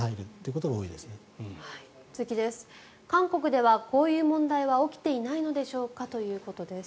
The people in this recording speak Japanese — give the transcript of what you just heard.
韓国ではこういう問題は起きていないのでしょうかということです。